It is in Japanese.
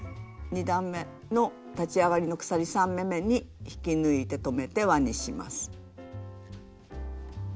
２段めの立ち上がりの鎖３目めに引き抜いて止めて輪にします。